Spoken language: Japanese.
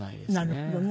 なるほどね。